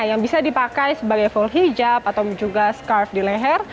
yang bisa dipakai sebagai full hijab atau juga scarf di leher